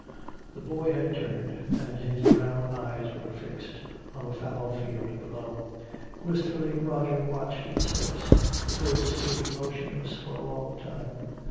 The boy had turned and his brown eyes were fixed on a fallow field below. Wistfully Roger watched his face. They both stood motionless for a long time.